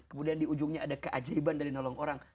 kemudian di ujungnya ada keajaiban dari nolong orang